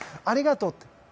ありがとうって。